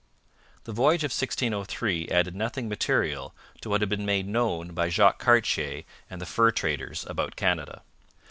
The voyage of 1603 added nothing material to what had been made known by Jacques Cartier and the fur traders about Canada.